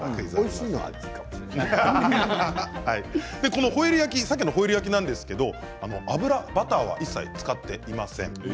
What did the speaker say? このホイル焼きさっきのホイル焼きですが油、バターは一切使っていません。